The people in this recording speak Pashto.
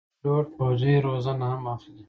پیلوټ پوځي روزنه هم اخلي.